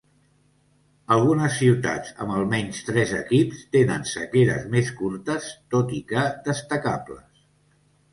Algunes ciutats amb almenys tres equips tenen sequeres més curtes tot i que destacables.